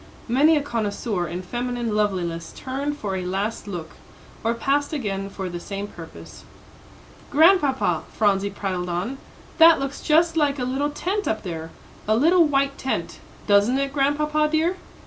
Many a connoisseur in feminine loveliness turned for a last look, or passed again for the same purpose. "Grandpapa," Phronsie prattled on, "that looks just like a little tent up there a little white tent; doesn't it, Grandpapa dear?"